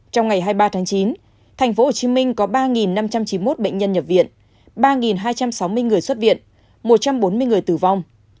trong ngày hai mươi ba tháng chín tp hcm có ba năm trăm chín mươi một bệnh nhân nhập viện ba hai trăm sáu mươi người xuất viện một trăm bốn mươi người tử vong